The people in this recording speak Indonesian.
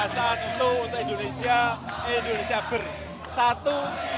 saat itu untuk indonesia indonesia bersatu